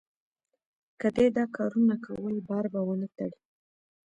که دې دا کارونه کول؛ بار به و نه تړې.